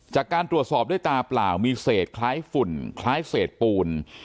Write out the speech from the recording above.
จากการตรวจสอบด้วยตาเปล่ามีเศษคล้ายฝุ่นคล้ายเศษปูน